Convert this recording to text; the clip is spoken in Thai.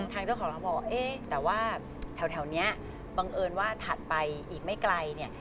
ทางเจ้าของร้านบอกว่าเอ๊ะแต่ว่าแถวนี้บังเอิญว่าถัดไปอีกไม่ไกลเนี่ย